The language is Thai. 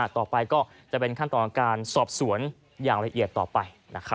ต่อไปก็จะเป็นขั้นตอนของการสอบสวนอย่างละเอียดต่อไป